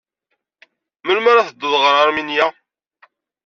Melmi ara tedduḍ ɣer Aṛminya?